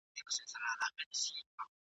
څوک یې نه لیدی پر مځکه چي دښمن وي !.